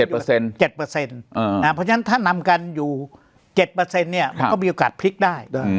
เพราะฉะนั้นถ้านำกันอยู่๗มันก็มีโอกาสพลิกได้